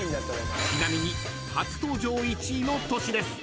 ［ちなみに初登場１位の年です］